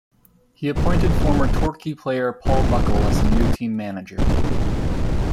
He appointed former Torquay player Paul Buckle as the new team manager.